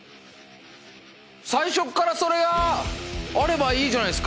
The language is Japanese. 最初っからそれがあればいいじゃないですか。